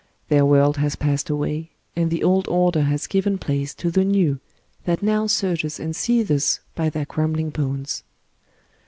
Their world has passed away, and the old order has given place to the new that now surges and seethes by their crumbling bones.